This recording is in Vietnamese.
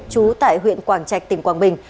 chú tại huyện quảng trạch tỉnh quảng bình